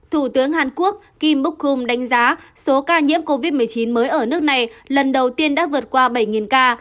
thủ tướng hàn quốc kim boukum đánh giá số ca nhiễm covid một mươi chín mới ở nước này lần đầu tiên đã vượt qua bảy ca